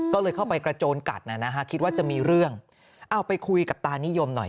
ก็เลยเข้าไปกระโจนกัดนะฮะคิดว่าจะมีเรื่องเอาไปคุยกับตานิยมหน่อย